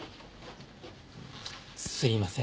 すいません。